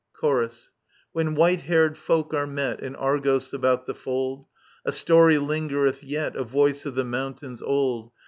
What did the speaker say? Chorus. When white haired folk are met [Strophe. In Argos about the fold, A story lingereth yet, A voice of the moimtains old.